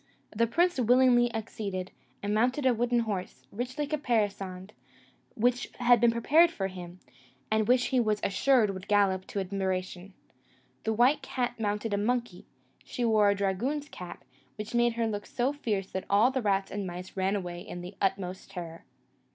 The prince willingly acceded, and mounted a wooden horse, richly caparisoned, which had been prepared for him, and which he was assured would gallop to admiration. The beautiful white cat mounted a monkey; she wore a dragoon's cap, which made her look so fierce that all the rats and mice ran away in the utmost terror.